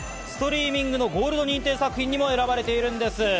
ストリーミングのゴールド認定作品にも選ばれているんです。